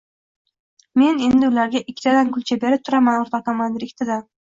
Men endi ularga ikkitadan kulcha berib turaman, o‘rtoq komandir, ikkitadan!